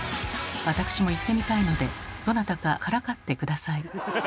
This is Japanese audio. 私も言ってみたいのでどなたかからかって下さい。